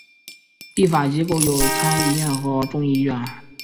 立法机构有参议院和众议院。